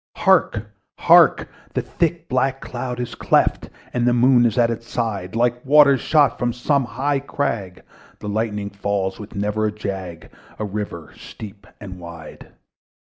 The thick black cloud was cleft, and still The Moon was at its side: Like waters shot from some high crag, The lightning fell with never a jag, A river steep and wide.